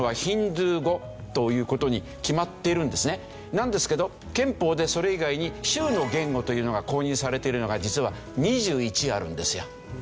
なんですけど憲法でそれ以外に州の言語というのが公認されてるのが実は２１あるんですよ。